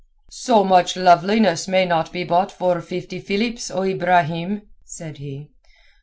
"So much loveliness may not be bought for fifty Philips, O Ibrahim," said he.